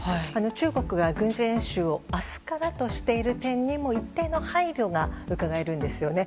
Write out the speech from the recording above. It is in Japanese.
中国が軍事演習を明日からとしている点にも一定の配慮がうかがえるんですよね。